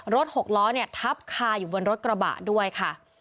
หกล้อเนี่ยทับคาอยู่บนรถกระบะด้วยค่ะ